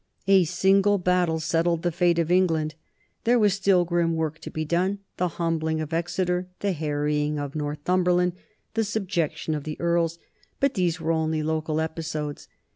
"A single battle settled the fate of England." There was still grim work to be done the humbling of Exe ter, the harrying of Northumberland, the subjection of the earls, but these were only local episodes.